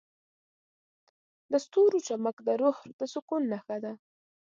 د ستورو چمک د روح د سکون نښه ده.